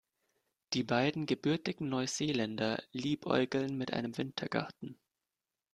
Die beiden gebürtigen Neuseeländer liebäugeln mit einem Wintergarten.